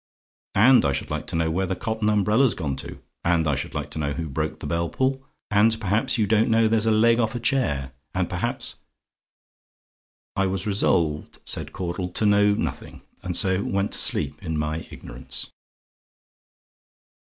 "And I should like to know where the cotton umbrella's gone to and I should like to know who broke the bell pull and perhaps you don't know there's a leg off a chair, and perhaps " "I was resolved," said Caudle, "to know nothing, and so went to sleep in my ignorance."